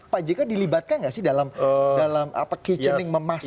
pak jk dilibatkan nggak sih dalam kitchening memasak